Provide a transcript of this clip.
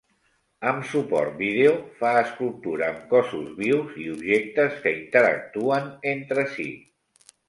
Amb suport vídeo fa escultura amb cossos vius i objectes que interactuen entre si.